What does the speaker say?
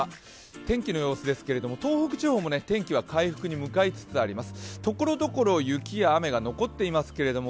天気の様子ですが、東北地方も天気は回復に向かいつつあります。